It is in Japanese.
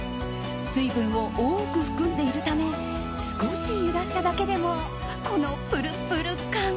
水分を多く含んでいるため少し揺らしただけでもこのプルプル感。